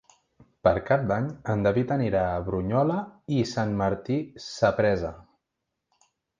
Per Cap d'Any en David anirà a Brunyola i Sant Martí Sapresa.